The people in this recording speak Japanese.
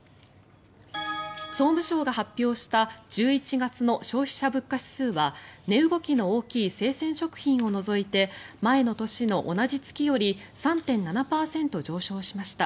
総務省が発表した１１月の消費者物価指数は値動きの大きい生鮮食品を除いて前の年の同じ月より３．７％上昇しました。